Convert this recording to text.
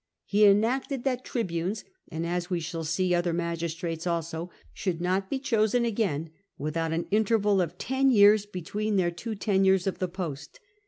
He enacted that tribunes (and, as we shall see, other magistrates also) should not be chosen again without an interval of ten years between their two tenures of the post.